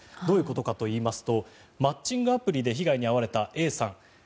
どういうことかといいますとマッチングアプリで被害に遭われたＡさん